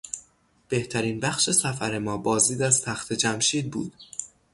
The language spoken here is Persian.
بهترین بخش سفر ما بازدید از تخت جمشید بود.